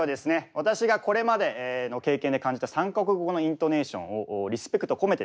私がこれまでの経験で感じた３か国語のイントネーションをリスペクトを込めてですね